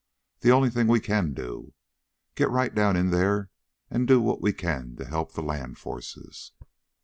The only thing we can do. Get right down in there and do what we can to help the land forces."